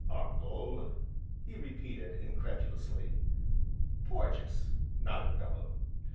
"Uncle?" he repeated incredulously. "Porges," nodded Bellew.